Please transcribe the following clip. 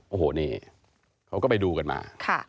โอ้โหนี่เขาก็ไปดูกันมา